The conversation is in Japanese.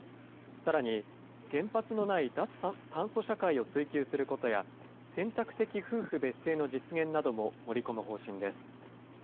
さらに、原発のない脱炭素社会を追求することや、選択的夫婦別姓の実現なども盛り込む方針です。